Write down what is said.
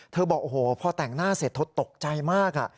บอกโอ้โหพอแต่งหน้าเสร็จเธอตกใจมาก